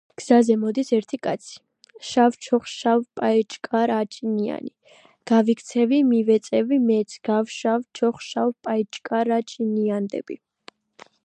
გზაზე მოდის ერთი კაცი, შავჩოხშავპაიჭკარაჭინიანი გავიქცევი მივეწევი მეც გავშავჩოხშავპაიჭკარაჭინიანდები